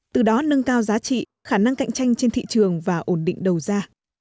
từ đó nâng cao giá trị khả năng cạnh tranh trên thị trường và ổn định đầu ra